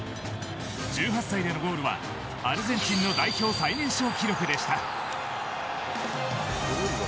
１８歳でのゴールはアルゼンチンの代表最年少記録でした。